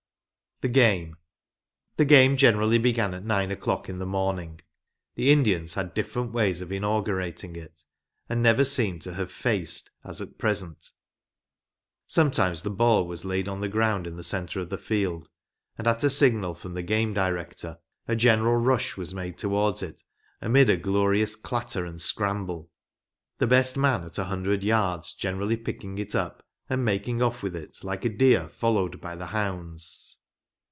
m THE GAME. The game generally began at nine o'clock in the morning. The Indians had different ways of inaugu rating it, and never seemed to have " faced " as at present. Sometimes the ball was laid on the ground in the centre of the field, and at a signal from the game director, a general rush was made towards it, amid a glorious clatter and scramble, ‚ÄĒ the best man at a hundred yards generally picking it up, and making oiF with it like a deer followed by the hounds.